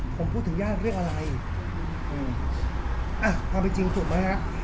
ผมพูดถึงย่าเรียกอะไรอัฒารให้จริงถูกไหมฮะ